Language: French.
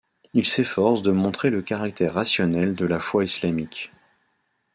Il s'efforce de montrer le caractère rationnel de la foi islamique.